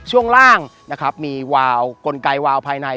ช่วงล่างนะครับมีวาวกลไกวาวภายใน